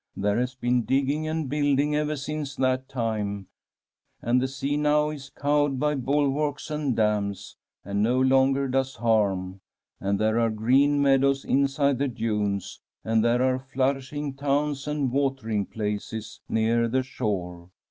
There has been digging and building ever since that time, and the sea now lies cowed by bulwarks and dams, and no longer does harm. And there are CTeen meadows inside the dunes, and there are nourishing towns and watering places near the shore.